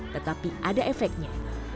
tetapi ada efeknya